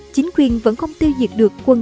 chính quyền vẫn không tiêu diệt được quân